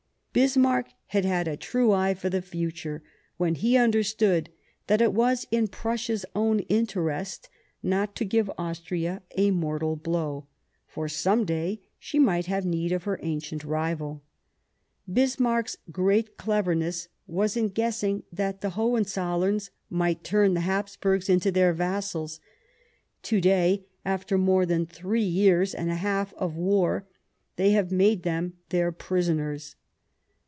Bismarck had had a true eye for the future, when he had understood that it was in Prussia's own interest not to give Austria a mortal blow, for some day she might have need of her ancient rival. Bismarck's great cleverness was in guessing that the HohenzoUerns might turn the Hapsburgs into their vassals ; to day, after more than three years and a half of war, they have made them their prisoners.